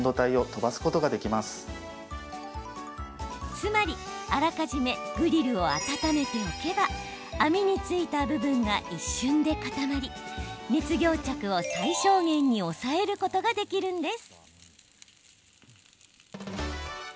つまり、あらかじめグリルを温めておけば網に付いた部分が一瞬で固まり熱凝着を最小限に抑えることができるんです。